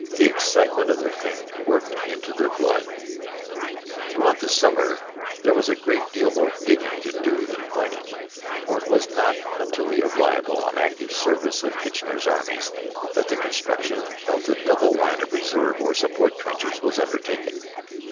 The excitement of the thing worked into their blood. Throughout the summer there was a great deal more digging to do than fighting, for it was not until the arrival on active service of Kitchener's armies that the construction of the double line of reserve or support trenches was undertaken.